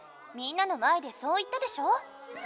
みんなの前でそう言ったでしょ？